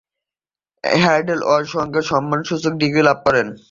Haldane অসংখ্য সম্মানসূচক degree লাভ করেন।